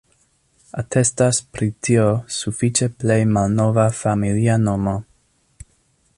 Atestas pri tio sufiĉe plej malnova familia nomo.